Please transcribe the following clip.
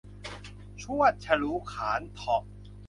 ชวด ฉลู ขาล เถาะ